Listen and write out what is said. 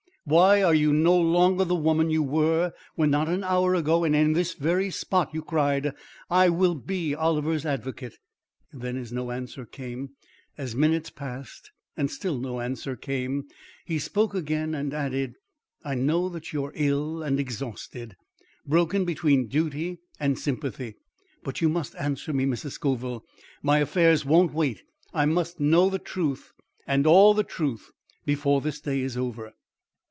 Why are you no longer the woman you were when not an hour ago and in this very spot you cried, 'I will be Oliver's advocate!'" Then, as no answer came, as minutes passed, and still no answer came, he spoke again and added: "I know that you are ill and exhausted broken between duty and sympathy; but you must answer me, Mrs. Scoville. My affairs won't wait. I must know the truth and all the truth before this day is over."